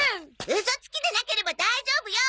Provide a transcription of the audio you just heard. ウソつきでなければ大丈夫よ！